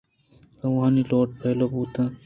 آوانی لوٹ پیلو بوت اَنت